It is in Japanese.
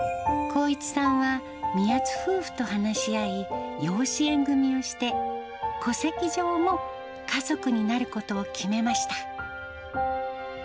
航一さんは、宮津夫婦と話し合い、養子縁組をして、戸籍上も家族になることを決めました。